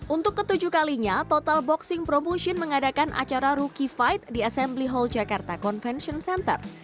untuk ketujuh kalinya total boxing promotion mengadakan acara rookie fight di assembly hall jakarta convention center